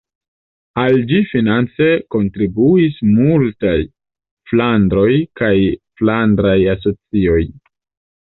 Al ĝi finance kontribuis multaj flandroj kaj flandraj asocioj.